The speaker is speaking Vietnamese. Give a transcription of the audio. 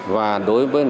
và đối với